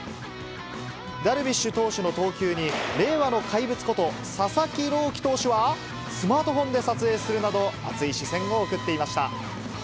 ダルビッシュ投手の投球に令和の怪物こと、佐々木朗希投手は、スマートフォンで撮影するなど、熱い視線を送っていました。